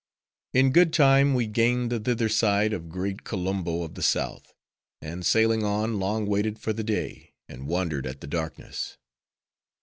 In good time, we gained the thither side of great Kolumbo of the South; and sailing on, long waited for the day; and wondered at the darkness.